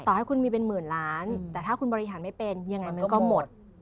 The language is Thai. ให้คุณมีเป็นหมื่นล้านแต่ถ้าคุณบริหารไม่เป็นยังไงมันก็หมด